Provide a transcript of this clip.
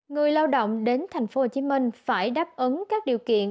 người lao động đến tp hcm phải đáp ứng các điều kiện